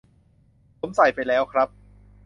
ผมใส่ไปแล้วครับ